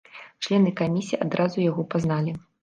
Члены камісіі адразу яго пазналі.